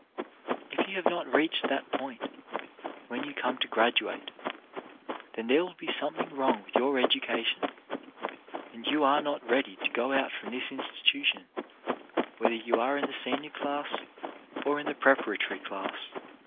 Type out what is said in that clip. If you have not reached that point, when you come to graduate, then there will be something Wrong with your education, and you are not ready to go out from this institution, whether you are in the senior class or in the preparatory class.